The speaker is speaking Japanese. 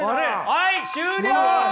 はい終了！